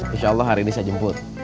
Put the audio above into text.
insya allah hari ini saya jemput